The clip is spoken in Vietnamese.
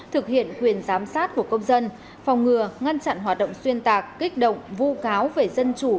thực hiện quyền giám sát của công dân phòng ngừa ngăn chặn hoạt động xuyên tạc kích động vu cáo về dân chủ